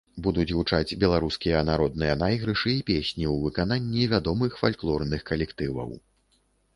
Будуць гучаць беларускія народныя найгрышы і песні ў выкананні вядомых фальклорных калектываў.